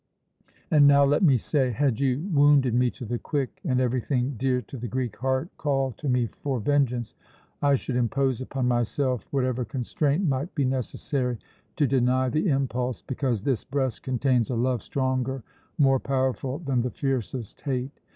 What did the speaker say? And now let me say had you wounded me to the quick, and everything dear to the Greek heart called to me for vengeance I should impose upon myself whatever constraint might be necessary to deny the impulse, because this breast contains a love stronger, more powerful, than the fiercest hate.